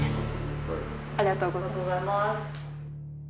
ありがとうございます。